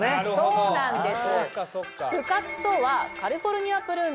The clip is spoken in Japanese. そうなんです。